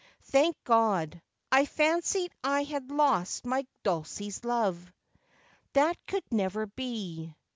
'Thank God. I fancied I had lost my Dulcie's love.' ' That could never be.'